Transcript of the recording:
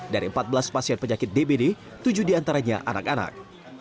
dari empat belas pasien penyakit dbd tujuh diantaranya anak anak